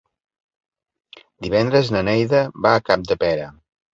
Divendres na Neida va a Capdepera.